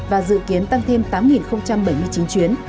và dự kiến tăng thêm tám bảy mươi chín chuyến